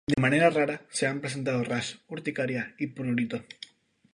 De manera rara se han presentado Rash, Urticaria y Prurito.